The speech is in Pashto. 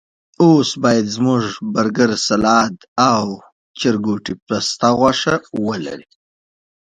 اوس باید زموږ برګر، سلاد او د چرګوټي پسته غوښه ولري.